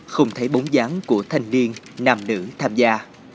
không thấy bóng dáng của thanh niên nam nữ tham gia